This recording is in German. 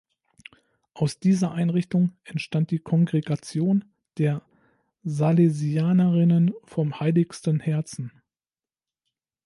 Aus dieser Einrichtung entstand die Kongregation der „Salesianerinnen vom Heiligsten Herzen“.